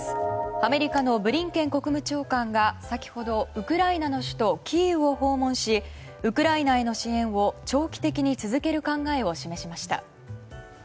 アメリカのブリンケン国務長官が先ほどウクライナの首都キーウを訪問しウクライナへの支援を長期的に続ける考えを示しました。